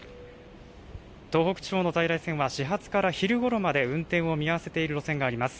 東北地方の在来線は、始発から昼ごろまで運転を見合わせている路線があります。